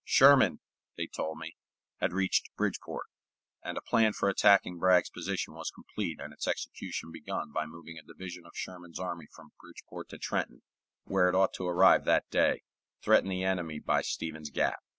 Sherman, they told me, had reached Bridgeport, and a plan for attacking Bragg's position was complete and its execution begun by moving a division of Sherman's army from Bridgeport to Trenton, where it ought to arrive that day, threatening the enemy by Stevens's Gap.